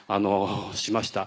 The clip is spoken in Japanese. しました。